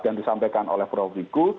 dan disampaikan oleh prof igu